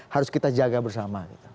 harus kita jaga bersama